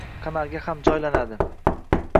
kanalga ham joylanadi.